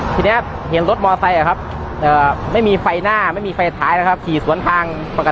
ทีนี้เห็นรถมอไซค์ไม่มีไฟหน้าไม่มีไฟท้ายนะครับขี่สวนทางปกติ